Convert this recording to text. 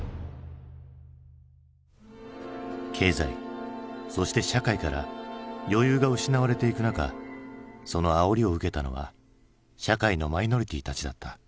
経済そして社会から余裕が失われていく中そのあおりを受けたのは社会のマイノリティーたちだった。